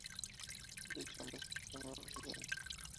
Cyril Chambers fue el primer presidente.